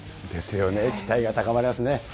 ですよね、期待が高まりますね。